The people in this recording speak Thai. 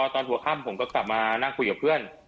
ตอนหัวค่ำผมก็กลับมานั่งคุยกับเพื่อน